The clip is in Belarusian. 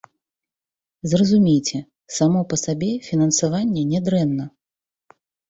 Зразумейце, само па сабе фінансаванне не дрэнна.